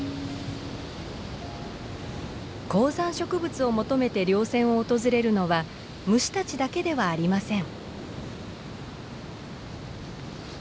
高山植物を求めて稜線を訪れるのは虫たちだけではありません。